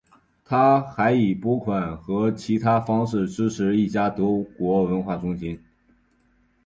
他还以拨款和其他方式支持一家德国文化中心。